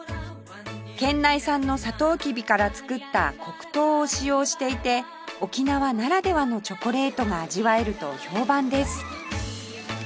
県内産のサトウキビから作った黒糖を使用していて沖縄ならではのチョコレートが味わえると評判です